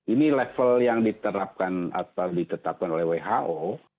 ini level yang diterapkan atau ditetapkan oleh who